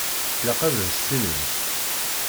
Ilaq ad as-tinimt.